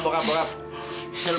bokapmu sekarang kan lagi puas